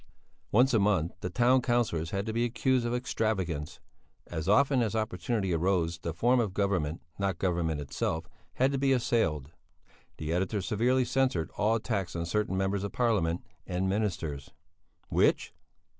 Once a month the town councillors had to be accused of extravagance. As often as opportunity arose the form of government, not Government itself, had to be assailed. The editor severely censored all attacks on certain members of Parliament and ministers. Which?